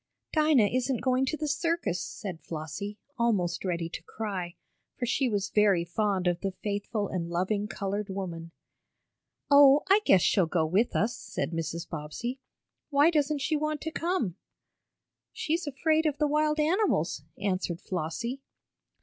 "Dinah isn't going to the circus," said Flossie, almost ready to cry, for she was very fond of the faithful and loving colored woman. "Oh, I guess she'll go with us," said Mrs. Bobbsey. "Why doesn't she want to come?" "She's afraid of the wild animals," answered Flossie.